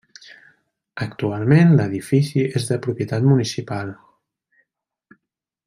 Actualment l'edifici és de propietat municipal.